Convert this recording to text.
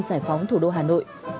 giải phóng thủ đô hà nội